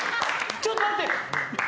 ちょっと待って。